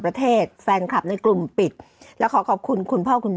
ประเทศแฟนคลับในกลุ่มปิดแล้วขอขอบคุณคุณพ่อคุณแม่